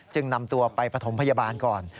นำตัวไปปฐมพยาบาลก่อน